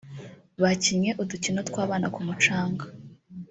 Bakinnye udukino tw’abana ku mucanga